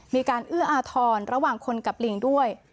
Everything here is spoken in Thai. มีการเอื้ออาธรณ์ระหว่างคนกับลิงด้วย